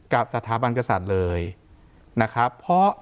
กับสถาบันกษัตริย์เลยนะครับเพราะ